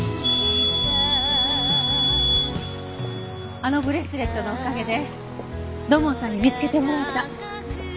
あのブレスレットのおかげで土門さんに見つけてもらえた。